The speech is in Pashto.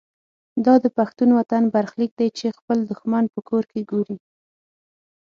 دا د پښتون وطن برخلیک دی چې خپل دښمن په کور کې ګوري.